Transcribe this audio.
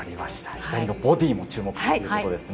左のボディーに注目ということですね。